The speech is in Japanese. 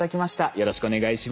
よろしくお願いします。